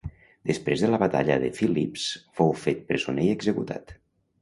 Després de la batalla de Filips fou fet presoner i executat.